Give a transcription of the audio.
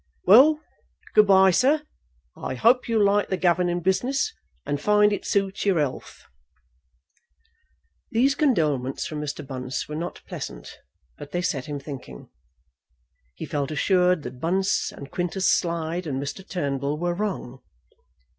Well, good bye, sir. I hope you'll like the governing business, and find it suits your health." These condolements from Mr. Bunce were not pleasant, but they set him thinking. He felt assured that Bunce and Quintus Slide and Mr. Turnbull were wrong.